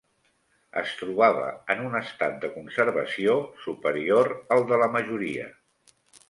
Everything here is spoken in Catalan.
Es trobava en un estat de conservació superior al de la majoria